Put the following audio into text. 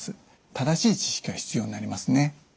正しい知識は必要になりますね。